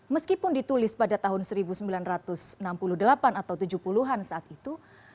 meskipun ditulis pada tahun seribu sembilan ratus enam puluh delapan atau tujuh puluh an saat itu